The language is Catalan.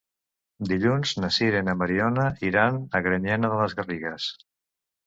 Dilluns na Sira i na Mariona iran a Granyena de les Garrigues.